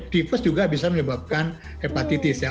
tipes juga bisa menyebabkan hepatitis ya